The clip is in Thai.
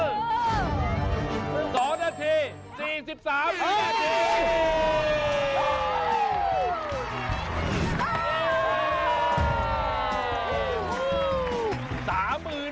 ๒นาที๔๓วินาที